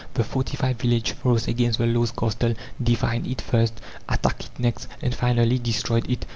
The fortified village rose against the lord's castle, defied it first, attacked it next, and finally destroyed it.